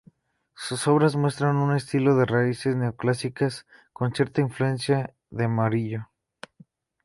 Sus obras muestran un estilo de raíces neoclásicas, con cierta influencia de Murillo.